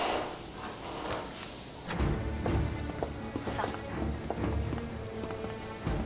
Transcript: さあ。